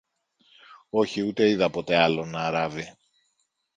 Όχι, ούτε είδα ποτέ άλλον να ράβει.